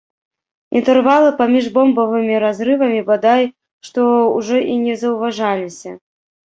Інтэрвалы паміж бомбавымі разрывамі бадай што ўжо і не заўважаліся.